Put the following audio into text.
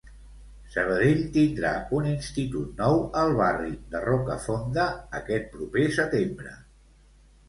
Sabadell tindrà un institut nou al barri de Rocafonda aquest proper setembre.